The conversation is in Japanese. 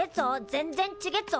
全然ちげっぞ。